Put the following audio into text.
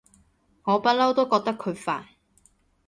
我不嬲都覺得佢煩